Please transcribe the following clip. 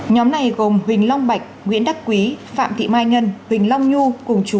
nhóm này gồm huỳnh long bạch nguyễn đắc quý phạm thị mai ngân huỳnh long nhu cùng chú